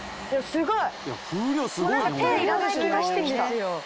すごい。